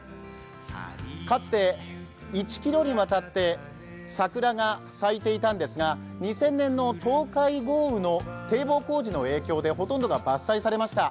かつて、１ｋｍにわたって桜が咲いていたんですが、２０００年の東海豪雨の堤防工事の影響でほとんどが伐採されました。